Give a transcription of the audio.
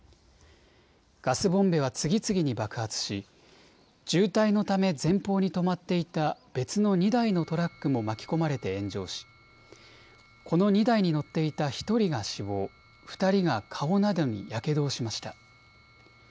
ガスボンベは次々に爆発し渋滞のため前方に止まっていた別の２台のトラックも巻き込まれて炎上しこの２台に乗っていた１人が死亡、２人が顔などにやけどをしました。